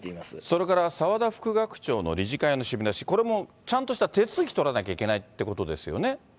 それから澤田副学長の理事会の締め出し、これもちゃんとした手続き取らなきゃいけないということですよね。